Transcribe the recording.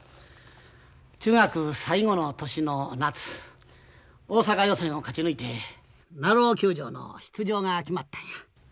中学最後の年の夏大阪予選を勝ち抜いて鳴尾球場の出場が決まったんや。